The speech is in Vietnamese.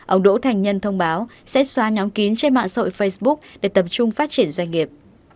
ông đỗ thành nhân thông báo sẽ xóa nhóm kín trên mạng xã hội facebook để tập trung phát triển doanh nghiệp